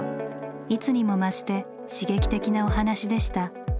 いつにも増して刺激的なお話でした。